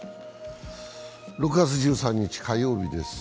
６月１３日火曜日です。